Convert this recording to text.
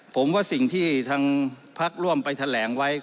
ผมว่าสิ่งที่ทางพักร่วมไปแถลงไว้